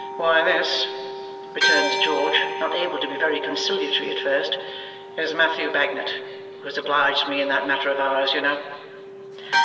"Why this," returns George, not able to be very conciliatory at first, "is Matthew Bagnet, who has obliged me in that matter of ours, you know."